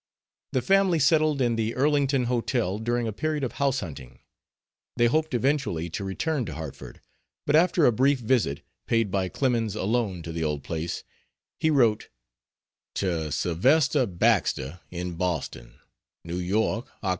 The family settled in the Earlington Hotel during a period of house hunting. They hoped eventually to return to Hartford, but after a brief visit paid by Clemens alone to the old place he wrote: To Sylvester Baxter, in Boston: NEW YORK, Oct.